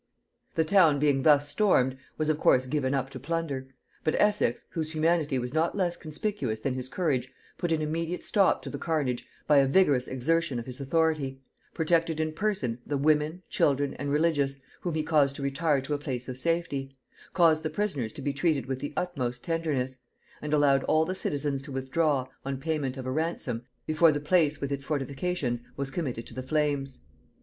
The town being thus stormed, was of course given up to plunder; but Essex, whose humanity was not less conspicuous than his courage, put an immediate stop to the carnage by a vigorous exertion of his authority; protected in person the women, children, and religious, whom he caused to retire to a place of safety; caused the prisoners to be treated with the utmost tenderness; and allowed all the citizens to withdraw, on payment of a ransom, before the place with its fortifications was committed to the flames.